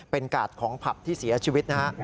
เป็นกาดของผับที่เสียชีวิตนะฮะ